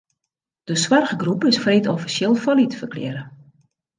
De soarchgroep is freed offisjeel fallyt ferklearre.